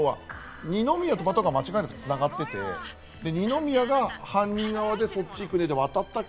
二宮とバタコが間違いなく繋がっていて、二宮が犯人側で、そっちに行くねと言って渡ったか。